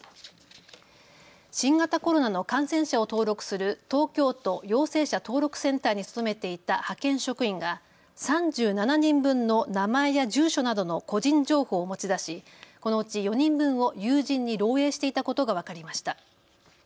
新型コロナの感染者を登録する東京都陽性者登録センターに勤めていた派遣職員が３７人分の名前や住所などの個人情報を持ち出しこのうち４人分を友人に漏えいしていたことが分かりました。